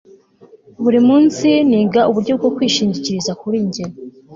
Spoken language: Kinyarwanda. buri munsi niga uburyo bwo kwishingikiriza kuri njye